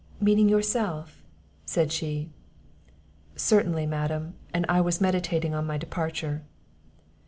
"Meaning yourself?" said she. "Certainly, Madam; and I was meditating on my departure."